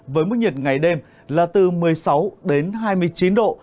với mức nhiệt ngày đêm là từ một mươi sáu đến hai mươi chín độ